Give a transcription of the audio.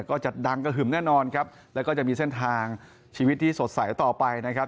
ก็จะดังกระหึ่มแน่นอนครับแล้วก็จะมีเส้นทางชีวิตที่สดใสต่อไปนะครับ